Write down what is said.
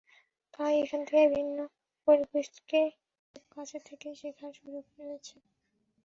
তাই এখান থেকে ভিন্ন পরিবেশকে খুব কাছ থেকেই শেখার সুযোগ রয়েছে।